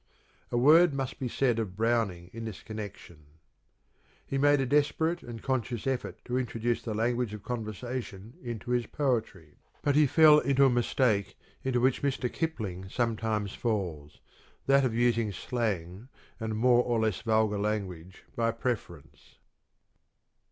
A word must be said of Browning in this connection. He made a desperate and conscious effort to introduce the language of conversation into his poetry, but he fell into a mistake into which Mr. Kipling sometimes falls that of using 220 . CRITICAL STUDIES slang and more or less vulgar language by prefer ence.